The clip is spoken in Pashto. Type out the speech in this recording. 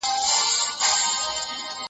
په نغمه کي به شرنګېږم لکه ومه .